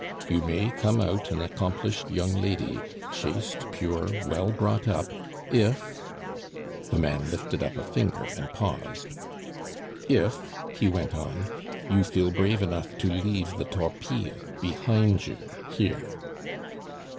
You may come out an accomplished young lady, chaste, pure, well brought up, if " The man lifted up a finger and paused. "If," he went on, "you feel brave enough to leave the 'Torpille' behind you here."